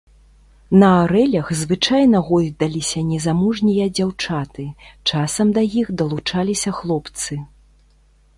На арэлях звычайна гойдаліся незамужнія дзяўчаты, часам да іх далучаліся хлопцы.